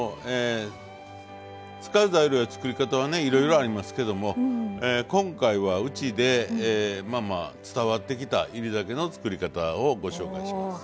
使う材料や作り方はねいろいろありますけども今回はうちで伝わってきた煎り酒の作り方をご紹介します。